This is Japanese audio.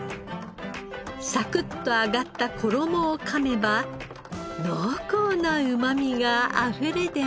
サクッと揚がった衣をかめば濃厚なうまみがあふれ出ます。